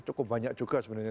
cukup banyak juga sebenarnya